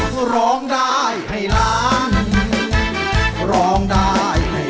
ครองดายให้เริ่ม